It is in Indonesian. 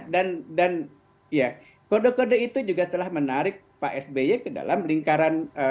dan kode kode itu juga telah menarik pak sby ke dalam lingkaran